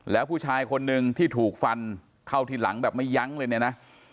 แล้วผู้ชายคนนึงที่ถูกฟันเข้าที่หลังแบบไม่ยั้งเลยเนี่ยนะ